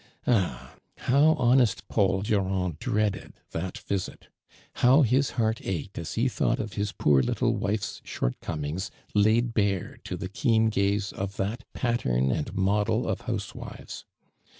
Ah! how honest Paul Durand dreaded tliat visit. How his heart ached as he thought of liis poor little wife's shojt comings laid bare to the keen gaze of that pattern and model of housewives.